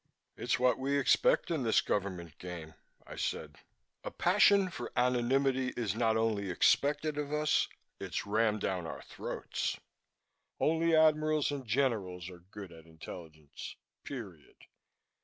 "It's what we expect in this government game," I said. "A passion for anonymity is not only expected of us, it's rammed down our throats. Only Admirals and Generals are good at intelligence. Period.